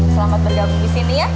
selamat bergabung di sini ya